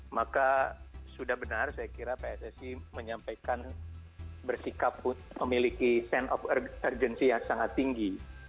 maka sudah benar saya kira pssi menyampaikan bersikap memiliki sense of urgency yang sangat tinggi